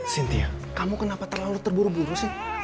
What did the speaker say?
cynthia kamu kenapa terlalu terburu buru sih